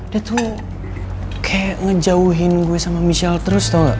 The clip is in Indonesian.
dia tuh kayak ngejauhin gue sama michelle terus tau